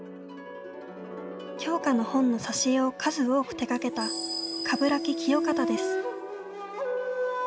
鏡花の本の挿絵を数多く手がけた鏑木清方です。